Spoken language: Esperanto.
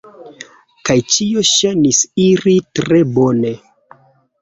Kaj ĉio ŝajnis iri tre bone.